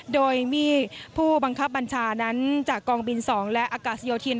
โดยมีผู้บังคับบัญชานั้นจากกองบิน๒และอากาศโยธิน